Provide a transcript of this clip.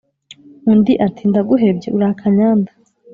Undi ati: "Ndaguhebye uri akanyanda!